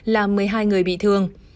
làm một mươi hai người bị thương